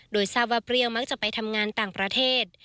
โดยทราบว่าเปรี้ยวมักจะไปทำงานต่างประเทศ